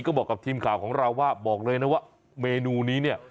ก็บอกกับทีมข่าวของเราว่าบอกเลยนะว่าเมนูนี้เนี่ย